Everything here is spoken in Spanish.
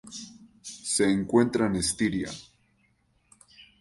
Se encuentra en Estiria.